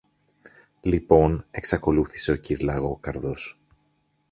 Λοιπόν, εξακολούθησε ο κυρ-Λαγόκαρδος